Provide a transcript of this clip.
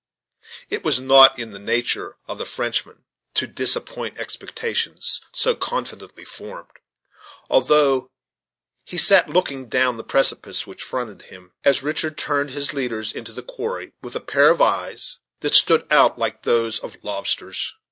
It was not in the nature of the Frenchman to disappoint expectations so confidently formed; although he cat looking down the precipice which fronted him, as Richard turned his leaders into the quarry, with a pair of eyes that stood out like those of lobsters.